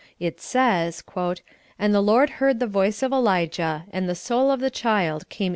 It says : "And the Lord heard the voice of Elijah, and the soul of the child came.